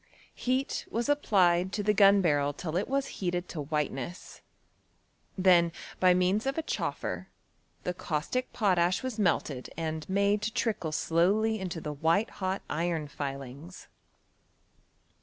Heat was applied to the gun* barrel till it was heated to whiteness ; then, by means of a choffer, the caustic protash was melted and made to trickle slowly into the white hot iron filings.